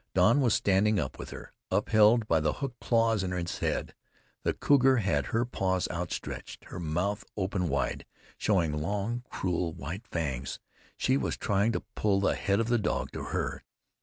Don was standing up with her, upheld by the hooked claws in his head. The cougar had her paws outstretched; her mouth open wide, showing long, cruel, white fangs; she was trying to pull the head of the dog to her.